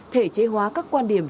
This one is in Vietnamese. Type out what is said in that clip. thể chế hóa các quan điểm